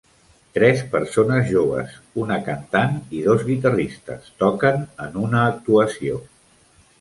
Tres persones joves, una cantant i dos guitarristes, toquen en una actuació.